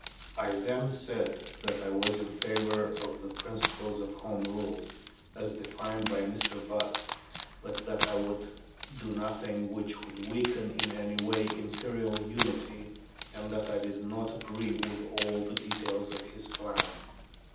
"I then said that I was in favour of the principles of Home Rule, as defined by Mr. Butt, but that I would do nothing which would weaken in any way Imperial unity, and that I did not agree with all the details of his plan....